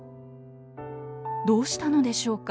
どうしたのでしょうか。